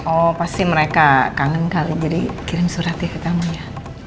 oh pasti mereka kangen kali jadi kirim surat ya ke tamunya